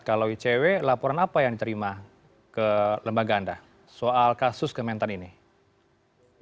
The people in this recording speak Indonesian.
kalau icw laporan apa yang diterima ke lembaga anda soal kasus kementan ini